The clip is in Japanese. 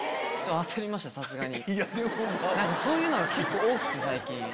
そういうのが結構多くて最近。